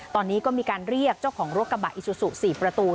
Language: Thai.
ตอนนี้ก็มีการเรียกเจ้าของรถกระบะอิซูซู๔ประตู